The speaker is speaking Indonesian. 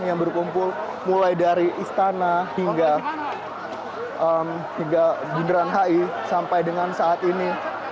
yang berkumpul mulai dari istana hingga bundaran hi sampai dengan saat ini